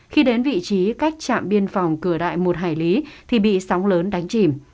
khi đến vị trí cách trạm biên phòng cửa đại một hải lý thì bị sóng lớn đánh chìm